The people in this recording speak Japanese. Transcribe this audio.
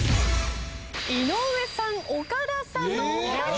井上さん岡田さんのお二人。